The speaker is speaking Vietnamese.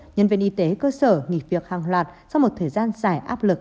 nhân viên y tế cơ sở nghỉ việc hàng loạt sau một thời gian dài áp lực